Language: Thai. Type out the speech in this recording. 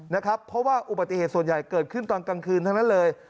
นะครับเพราะว่าอุบัติเหตุส่วนใหญ่เกิดขึ้นตอนกลางคืนทั้งนั้นเลย